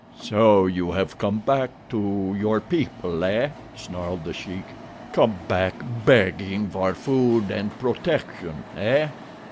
"So you have come back to your people, eh?" snarled The Sheik. "Come back begging for food and protection, eh?"